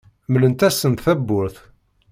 Mlemt-asent tawwurt.